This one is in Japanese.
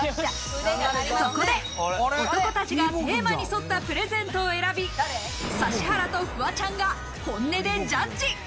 そこで男たちがテーマに沿ったプレゼントを選び、指原とフワちゃんが本音でジャッジ。